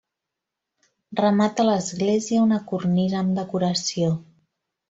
Remata l'església una cornisa amb decoració.